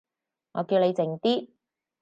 我叫你靜啲